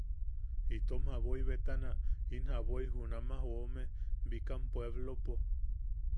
Itom jaboi betana... in jaboi junama joome Bikam puepplopo.